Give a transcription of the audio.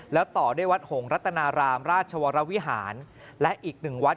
แล้วต่อด้วยวัดหงรัตนารามราชวรวิหารและอีกหนึ่งวัด